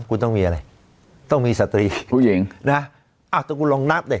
คุณต้องมีอะไรต้องมีสตรีผู้หญิงนะอ้าวถ้าคุณลองนับดิ